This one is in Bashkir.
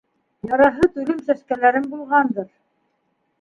Яраһы түлем-сәскәләрем булғандыр.